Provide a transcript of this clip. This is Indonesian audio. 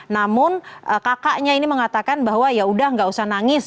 namun kakaknya ini mengatakan bahwa ya udah gak usah nangis